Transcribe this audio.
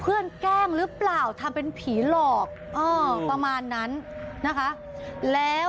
เพื่อนแกล้งหรือเปล่าทำเป็นผีหลอกประมาณนั้นนะคะ